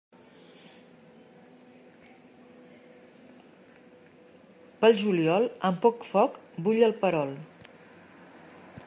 Pel juliol, amb poc foc bull el perol.